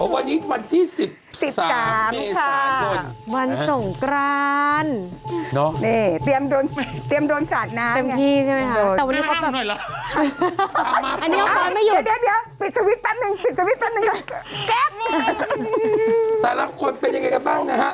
เลยขอลองกว่าเธอหนูพลิกสุกชีวิตเลยครับ